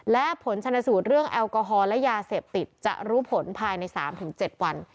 และผลชนสูตรเรื่องแอลกอฮอล์และยาเสพติดจะรู้ผลภายใน๓๗วัน